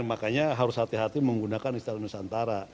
makanya harus hati hati menggunakan istilah nusantara